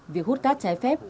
việc hút cát trái phép